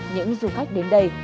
những du khách đến đây